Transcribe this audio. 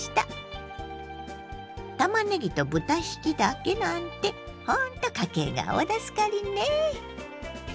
たまねぎと豚ひきだけなんてほんと家計が大助かりね。